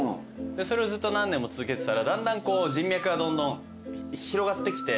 でそれをずっと何年も続けてたらだんだん人脈がどんどん広がってきて。